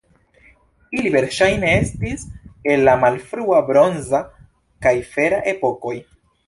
Ili verŝajne estis el la malfrua bronza kaj fera epokoj.